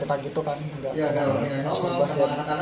gak ada yang bisa berbasis